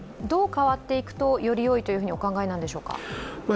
どう変わっていくと、よりよいとお考えなんでしょうか？